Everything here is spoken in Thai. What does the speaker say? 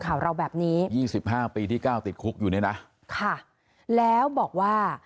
ข่าวเราแบบนี้๒๕ปีที่เก้าติดคุกอยู่หน่อยนะค่ะแล้วบอกว่า